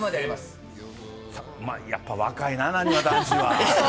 やっぱり若いな、なにわ男子は。